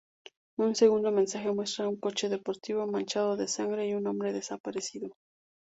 Un segundo mensaje muestra un coche deportivo, manchado de sangre, y un hombre desaparecido.